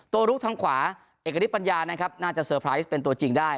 ตัวลูกทางขวาเอกลิฟต์ปัญญานะครับน่าจะเป็นตัวจริงได้